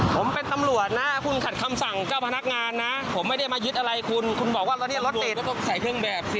ผมเป็นตำรวจนะคุณขัดคำสั่งเจ้าพนักงานนะผมไม่ได้มายึดอะไรคุณคุณบอกว่ารถที่รถติดก็ต้องใส่เครื่องแบบสิ